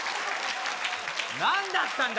何だったんだ